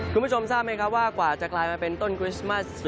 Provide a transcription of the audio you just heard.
คุณผู้ชมทราบไหมครับว่ากว่าจะกลายมาเป็นต้นคริสต์มัส